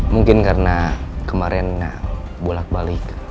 mungkin karena kemarin bolak balik